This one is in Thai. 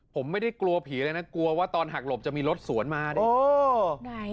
ผมไม่ได้กลัวผีเลยนะกลัวว่าตอนหักหลบจะมีรถสวนมาดิ